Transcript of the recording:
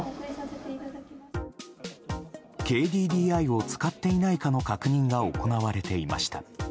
ＫＤＤＩを使っていないかの確認が行われていました。